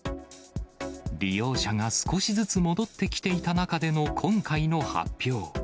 利用者が少しずつ戻ってきていた中での今回の発表。